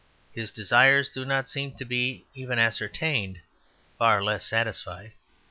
His desires do not seem to be even ascertained, far less satisfied.